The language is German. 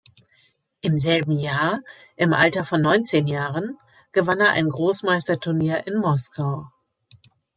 Im selben Jahr, im Alter von neunzehn Jahren, gewann er ein Großmeisterturnier in Moskau.